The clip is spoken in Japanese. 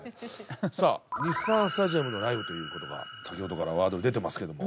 さあ日産スタジアムのライブという事が先ほどからワードに出てますけども。